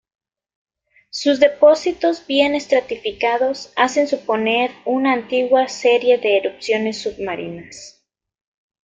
Sus depósitos bien estratificados hacen suponer una antigua serie de erupciones submarinas.